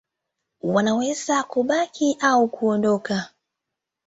Wanaweza kubaki au kuondoka.